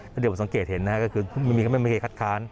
เดี๋ยวผมสังเกตเห็นก็คือมันไม่เคยคัดค้าน